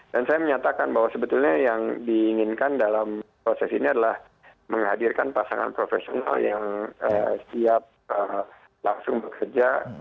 dan saya menyatakan bahwa sebetulnya yang diinginkan dalam proses ini adalah menghadirkan pasangan profesional yang siap langsung bekerja